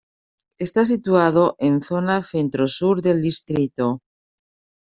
Está situado en zona centro-sur del distrito.